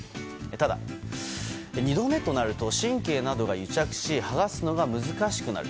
ただ、２度目となると神経などが癒着しはがすのが難しくなる。